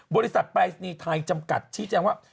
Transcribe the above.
บริษัทปรายศนีย์ไทยจำกัดชี้แจงว่า